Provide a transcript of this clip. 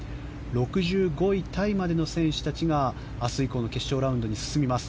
６５位タイまでの選手たちが明日以降の決勝ラウンドに進みます。